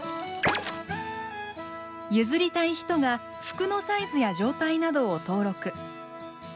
譲りたい人が服のサイズや状態などを登録。